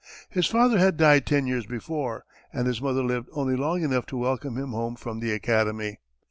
His father had died ten years before, and his mother lived only long enough to welcome him home from the Academy.